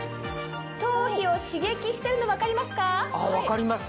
頭皮を刺激してるの分かります？